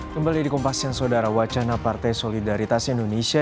kembali di kompas yang saudara wacana partai solidaritas indonesia